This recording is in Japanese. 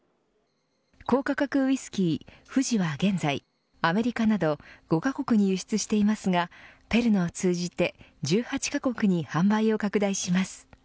高価格ウイスキー、富士は現在アメリカなど５カ国に輸出していますがペルノを通じて１８カ国に販売を拡大します。